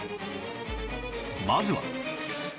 まずは